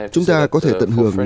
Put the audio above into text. chúng ta có thể tận hưởng